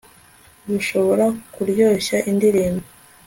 bushobora kuryoshya indirimbo